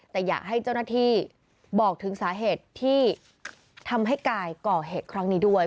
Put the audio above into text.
แต่อยากให้เจ้าหน้าที่บอกถึงสาเหตุที่ทำให้กายก่อเหตุครั้งนี้ด้วย